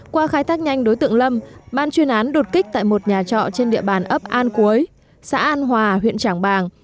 qua khai thác nhanh đối tượng lâm ban chuyên án đột kích tại một nhà trọ trên địa bàn ấp an cúi xã an hòa huyện trảng bàng